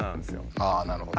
あなるほど。